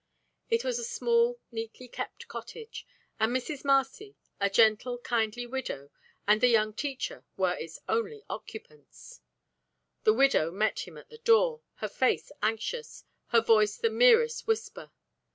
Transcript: It was a small, neatly kept cottage, and Mrs. Marcy, a gentle, kindly widow, and the young teacher were its only occupants. The widow met him at the door, her face anxious, her voice the merest whisper.